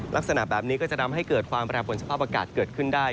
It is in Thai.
ลักษณะแบบนี้ก็จะทำให้เกิดความแปรปวนสภาพอากาศเกิดขึ้นได้